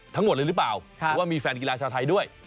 ทั้งหมดเลยหรือเปล่าเพราะว่ามีแฟนกีฬาชาวไทยด้วย